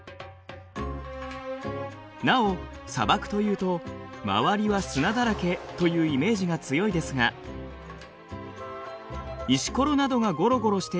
なお砂漠というと周りは砂だらけというイメージが強いですが石ころなどがごろごろしているれき